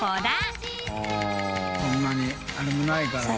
そんなにあれもないからね。